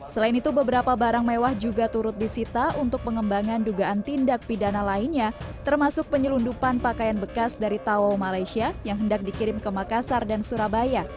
selain itu beberapa barang mewah juga turut disita untuk pengembangan dugaan tindak pidana lainnya termasuk penyelundupan pakaian bekas dari tao malaysia yang hendak dikirim ke makassar dan surabaya